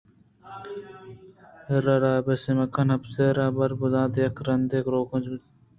حرءَ را اپسے مہ کن ءُ اپس ءَ را حر نابزانت یک رندے گُرکاں کُچکّاناں گوٛشت ما ءُ شُما چد ءُ گیش پر چہ یکّ ءُ دومی ءِ دژمن بِہ بئیں؟